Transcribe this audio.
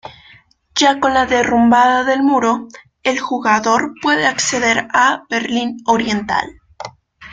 Ya con la derrumbada del muro, el jugador puede acceder a Berlín Oriental.